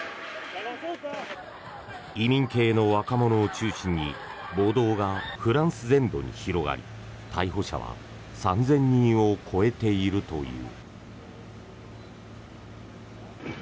移民系の若者を中心に暴動がフランス全土に広がり逮捕者は３０００人を超えているという。